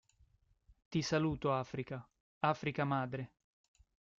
Ti saluto Africa, Africa madre.